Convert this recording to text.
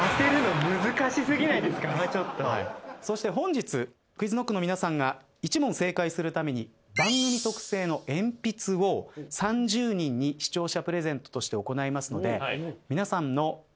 そして本日ＱｕｉｚＫｎｏｃｋの皆さんが１問正解するたびに番組特製の鉛筆を３０人に視聴者プレゼントとして行いますので。